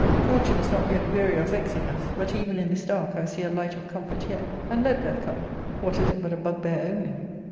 Fortune is not yet weary of vex ing us ; but even in this dark I see a light of comfort yet And let death come : what is it but a bugbear only?